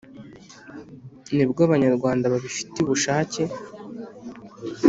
nibwo abanyarwanda babifitiye ubushake